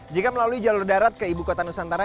jika melalui jalur darat ke ibu kota nusantara